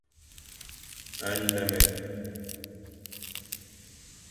Nmémé.